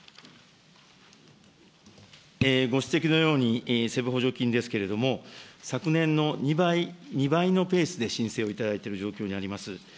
ご指摘のように、ＣＥＶ補助金ですけれども、昨年の２倍のペースで申請をいただいている状況にあります。